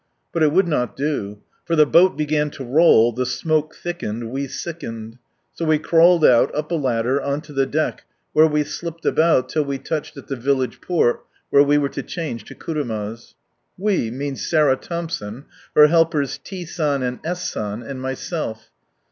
But il would not do. For the boat began lo roll, the smoke thickened, we sickened. So we crawled out. up a ladder, on lo the deck, where we slipjied about, till we touched at the village port, where we were to change to kurumas. "We" means Sarah Thompson, her helpers, T. San and S. San, and myself.